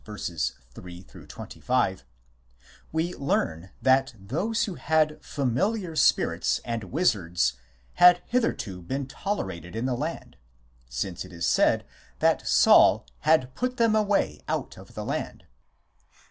3 25) we learn that those who had " familiar spirits," and " wizards " 8 had hitherto been tolerated in the land, since it is said that Saul had " put them away out of the land."